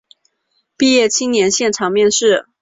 毕业青年现场面试